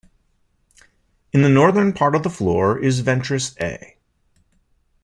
In the northern part of the floor is Ventris A.